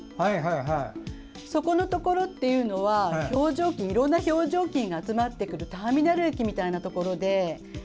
そこのところというのはいろんな表情筋が集まってくるターミナル駅みたいなところで。